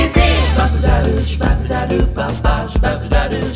เด็กแกเด็กสีดี